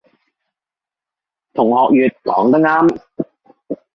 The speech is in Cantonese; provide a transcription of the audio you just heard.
同學乙講得啱